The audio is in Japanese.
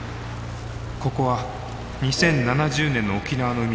ここは２０７０年の沖縄の海だ。